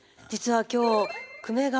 実は今日え！